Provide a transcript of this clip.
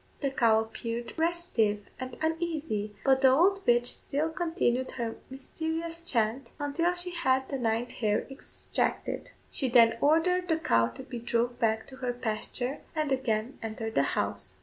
The cow appeared restive and uneasy, but the old witch still continued her mysterious chant until she had the ninth hair extracted. She then ordered the cow to be drove back to her pasture, and again entered the house.